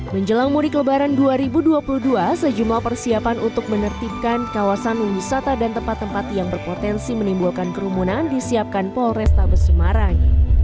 menjelang mudik lebaran dua ribu dua puluh dua sejumlah persiapan untuk menertibkan kawasan wisata dan tempat tempat yang berpotensi menimbulkan kerumunan disiapkan polrestabes semarang